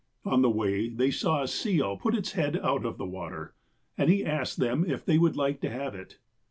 "On the way, they saw a seal put its head out of the water, and he asked them if they would like to have it.